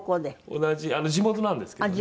同じ地元なんですけどね。